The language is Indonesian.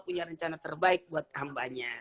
punya rencana terbaik buat hambanya